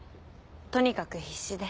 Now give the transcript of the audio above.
とにかく必死で。